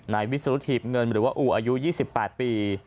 นายวิสุทธิ์หีบเงินหรือว่าอูอายุ๒๘ปี